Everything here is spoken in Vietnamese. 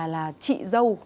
là chị dâu